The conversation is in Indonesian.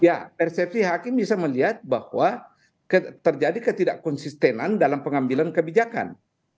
ya persepsi hakim bisa melihat bahwa terjadi ketidak konsistenan dalam pengambilan kebijakan